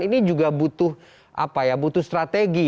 ini juga butuh strategi